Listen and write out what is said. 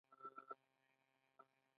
ای احمقه آیا پوهېږې چې زه څوک یم.